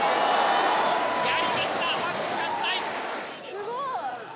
すごい。